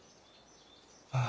ああ。